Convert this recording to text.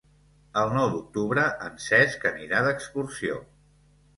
El nou d'octubre en Cesc anirà d'excursió.